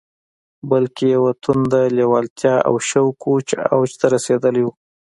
بلکې يوه تنده، لېوالتیا او شوق و چې اوج ته رسېدلی و.